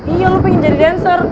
iya lo pengen jadi dancer